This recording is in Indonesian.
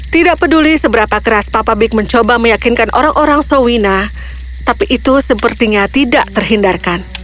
tidak peduli seberapa keras papa big mencoba meyakinkan orang orang sowina tapi itu sepertinya tidak terhindarkan